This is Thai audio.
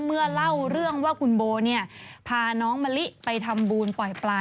เมื่อเล่าเรื่องว่าคุณโบเนี่ยพาน้องมะลิไปทำบุญปล่อยปลา